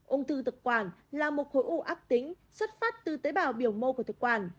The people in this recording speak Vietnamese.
ung thư thực quản là một khối u ác tính xuất phát từ tế bào biểu mô của thực quản